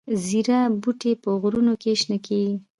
زیره بوټی په غرونو کې شنه کیږي؟